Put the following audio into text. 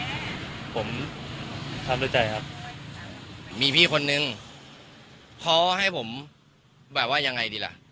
ไม่เสียใจครับผมทำสุดใจครับมีพี่คนนึงเขาให้ผมแบบว่ายังไงดีล่ะ